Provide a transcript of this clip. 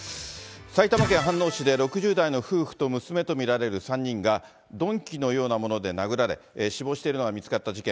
埼玉県飯能市で６０代の夫婦と娘と見られる３人が、鈍器のようなもので殴られ、死亡しているのが見つかった事件。